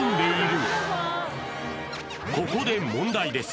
ここで問題です